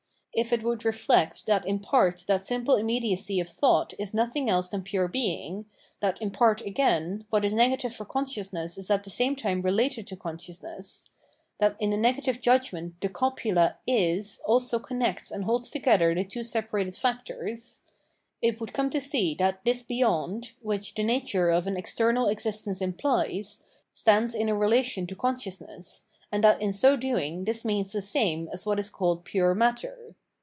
If it would reflect that in part that simple immediacy of thought is nothing else than pure being, that in part, again, what is negative for consciousness is at the same * Cp, Schopenliauer : The absolute without predicates is just matter." 586 Phmmmdlogy of Mird time related to consciousness— that in the negative judgiBent tli6 copula * is also connects and liol together the two separated factors — it would come to see that this beyond, which the nature of an external existence implies, stands in a relation to consciousness, and that in so doing this means the same as what is called pure matter.